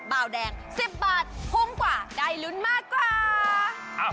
เบาแดงสิบบาทถุงป่าห์ได้หลุ่นมากกว่า